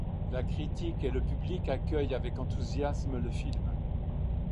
La critique et le public accueillent avec enthousiasme le film.